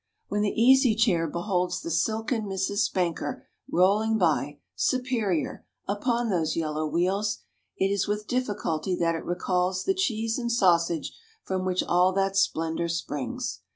When the Easy Chair beholds the silken Misses Spanker rolling by, superior, upon those yellow wheels, it is with difficulty that it recalls the cheese and sausage from which all that splendor springs.